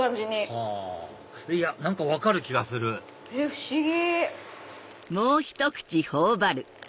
はぁいや何か分かる気がする不思議！